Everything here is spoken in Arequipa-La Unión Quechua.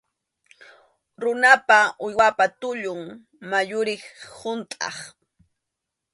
Runapa, uywapa tullun muyuriq huntʼaq.